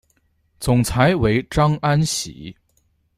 总裁为张安喜。